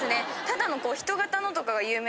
ただの。